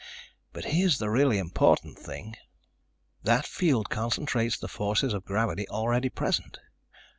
"But here's the really important thing. That field concentrates the forces of gravity already present.